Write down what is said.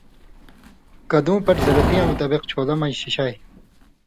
کدُوں پٹ زرتیاں مطابق چھوݩلہ مژ شِشائ۔